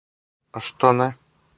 А што не?